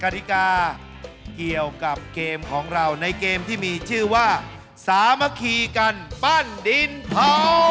แล้วก็เอาไปเผาด้วยนะ